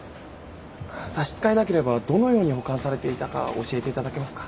差し支えなければどのように保管されていたか教えていただけますか？